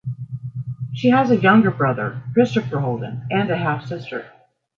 She has a younger brother, Christopher Holden, and a half-sister.